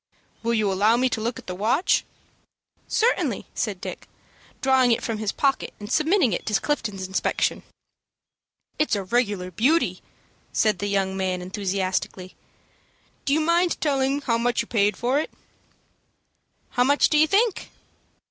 "Will you allow me to look at the watch?" "Certainly," said Dick, drawing it from his pocket, and submitting it to Clifton's inspection. "It's a regular beauty," said the young man, enthusiastically. "Do you mind telling how much you paid for it?" "How much do you think?"